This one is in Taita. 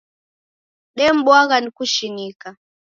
Debwaghwa ni kushinika!